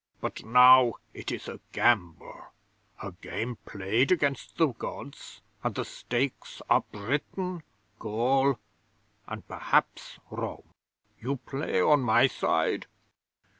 But now it is a gamble a game played against the Gods, and the stakes are Britain, Gaul, and perhaps Rome. You play on my side?"